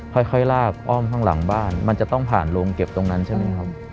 ค่อยลากอ้อมข้างหลังบ้านมันจะต้องผ่านโรงเก็บตรงนั้นใช่ไหมครับ